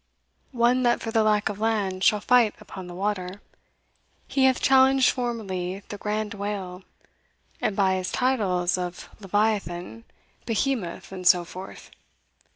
One that for the lack of land Shall fight upon the water he hath challenged Formerly the grand whale; and by his titles Of Leviathan, Behemoth, and so forth.